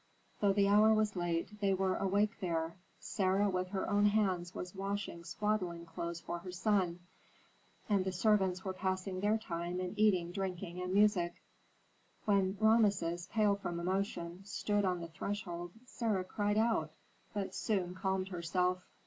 Though the hour was late, they were awake there. Sarah with her own hands was washing swaddling clothes for her son, and the servants were passing their time in eating, drinking, and music. When Rameses, pale from emotion, stood on the threshold, Sarah cried out, but soon calmed herself.